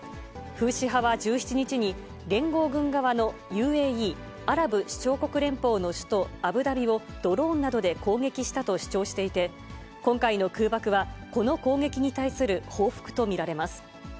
フーシ派は１７日に、連合軍側のＵＡＥ・アラブ首長国連邦の首都アブダビをドローンなどで攻撃したと主張していて、今回の空爆はこの攻撃に対する報復と見られます。